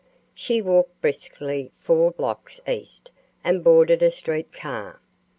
She walked briskly four blocks east and boarded a street car.